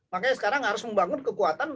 makanya sekarang harus membangun kekuatan